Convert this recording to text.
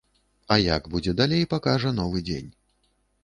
А як будзе далей, пакажа новы дзень.